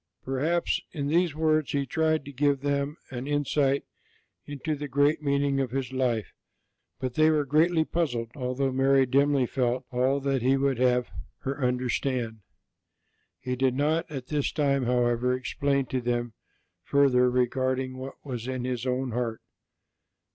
Perhaps in these words He tried to give them an insight into the great meaning of His life; but they were puzzled, although Mary dimly felt all that He would have her understand. He did not at this time, however, explain to them further regarding what was in His own heart.